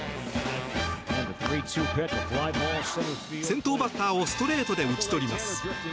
先頭バッターをストレートで打ち取ります。